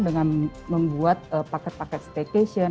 dengan membuat paket paket staycation